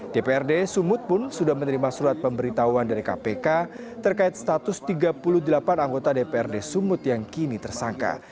dprd sumut pun sudah menerima surat pemberitahuan dari kpk terkait status tiga puluh delapan anggota dprd sumut yang kini tersangka